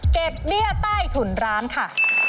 เบี้ยใต้ถุนร้านค่ะ